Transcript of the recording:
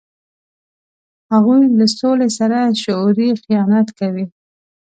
هغوی له سولې سره شعوري خیانت کوي.